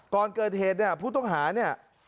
ก่อนเกิดเหตุเนี่ยผู้ต้องหาเนี่ย